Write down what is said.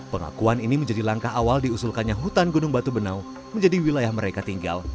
pengakuan ini menjadi langkah awal diusulkannya hutan gunung batu benau menjadi wilayah mereka tinggal